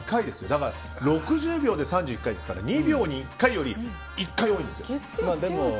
だから、６０秒で３１回ですから２秒に１回より１回多いんです。